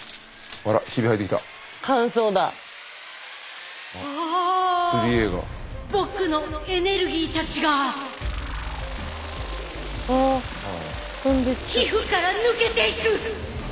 ああ僕のエネルギーたちが皮膚から抜けていく！